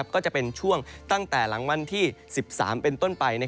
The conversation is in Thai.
ก็จะเป็นช่วงตั้งแต่หลังวันที่๑๓เป็นต้นไป